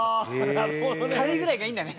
軽いぐらいがいいんだね。